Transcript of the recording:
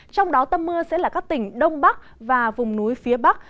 trong đó tâm mưa sẽ là các tỉnh đông bắc và vùng núi phía bắc